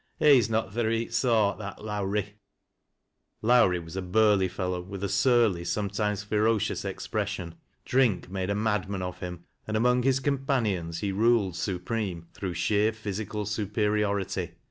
He's not th' reet soart, that Lowrie." Lowrie was a burly fellow with a surly, sometimes fero cious, expression. Drink made a madman of him, and among his companions he ruled supreme through sheiei physical superiority.